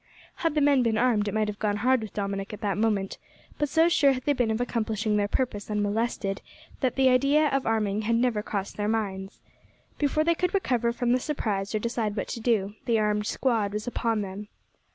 Had the men been armed it might have gone hard with Dominick at that moment, but so sure had they been of accomplishing their purpose unmolested, that the idea of arming had never crossed their minds. Before they could recover from the surprise or decide what to do, the armed squad was upon them.